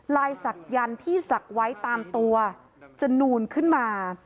ลายสักยันทร์ที่สักไว้ตามตัวจะหนูนขึ้นมา